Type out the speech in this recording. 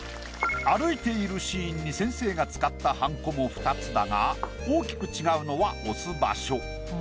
歩いているシーンに先生が使ったはんこも２つだが大きく違うのは押す場所。